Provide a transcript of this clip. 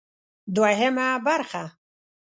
دوهمه برخه: